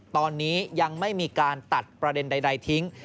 ตอนนี้ยังไม่มีการตัดประเด็นใดทิ้ง